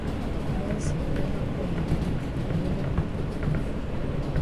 Mercy di ever call yi mami for helep yi.